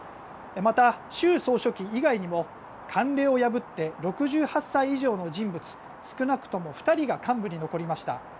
また、習総書記以外にも慣例を破って６８歳以上の人物少なくとも２人が幹部に残りました。